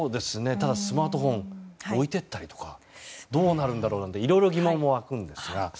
ただ、スマートフォンは置いていったりとかどうなるんだろうなんていろいろ疑問も湧くんですが。